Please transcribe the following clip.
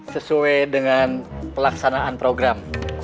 sesuai dengan pelaksanaan program